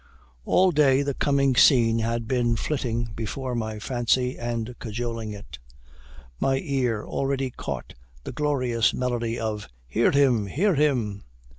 All day the coming scene had been flitting before my fancy, and cajoling it. My ear already caught the glorious melody of 'Hear him! hear him!'